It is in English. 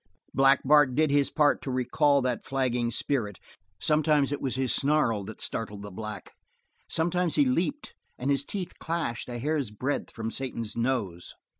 Black Bart did his part to recall that flagging spirit. Sometimes it was his snarl that startled the black; sometimes he leaped, and his teeth clashed a hair's breadth from Satan's nose.